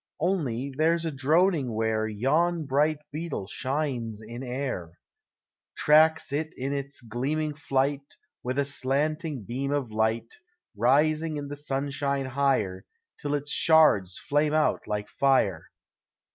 Only there 's a droning where Yon bright beetle shines in air. Tracks it in its gleaming flight With a slanting beam of light Rising in the sunshine higher, Till its shards flame out like lire.